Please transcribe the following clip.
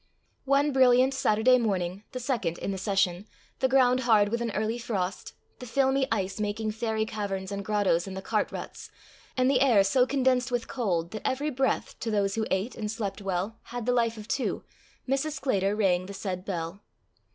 One brilliant Saturday morning, the second in the session, the ground hard with an early frost, the filmy ice making fairy caverns and grottos in the cart ruts, and the air so condensed with cold that every breath, to those who ate and slept well, had the life of two, Mrs. Sclater rang the said bell.